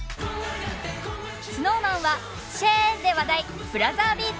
ＳｎｏｗＭａｎは「シェー」で話題「ブラザービート」。